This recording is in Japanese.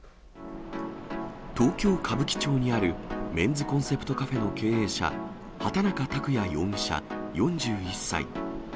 東京・歌舞伎町にあるメンズコンセプトカフェの経営者、畑中卓也容疑者４１歳。